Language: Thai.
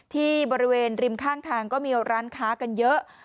ที่บริเวณริมข้างทางก็มีร้านค้ากันเยอะ